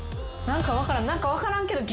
何か分からんけど。